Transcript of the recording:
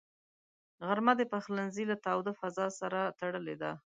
غرمه د پخلنځي له تاوده فضاء سره تړلې ده